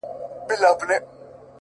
چي دې سترگو زما و زړه ته کړی پول دی-